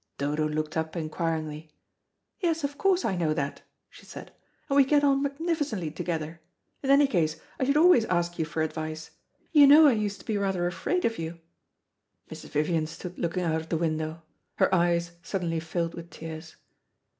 Dodo looked up inquiringly. "Yes, of course, I know that," she said, "and we get on magnificently together. In any case I should always ask you for advice. You know I used to be rather afraid of you." Mrs. Vivian stood looking out of the window. Her eyes suddenly filled with tears.